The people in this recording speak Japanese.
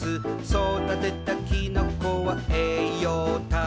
「そだてたきのこはえいようたっぷり」